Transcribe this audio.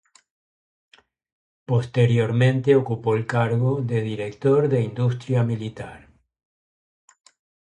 Posteriormente ocupó el cargo de Director de Industria Militar.